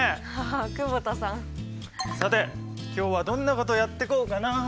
さて今日はどんなことやってこうかなあ？